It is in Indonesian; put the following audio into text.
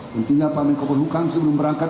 menteri pak menko perhukan sebelum berangkat